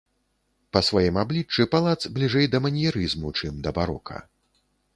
Па сваім абліччы палац бліжэй да маньерызму, чым да барока.